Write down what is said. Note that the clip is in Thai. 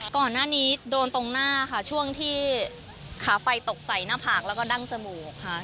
ก่อนหน้านี้โดนตรงหน้าค่ะช่วงที่ขาไฟตกใส่หน้าผากแล้วก็ดั้งจมูกค่ะ